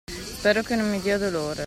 Spero che non mi dia dolore.